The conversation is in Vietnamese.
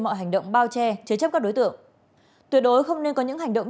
mọi hành động bao che chế chấp các đối tượng tuyệt đối không nên có những hành động